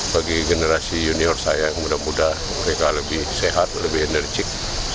bagi generasi junior saya mudah mudahan mereka lebih sehat lebih enerjik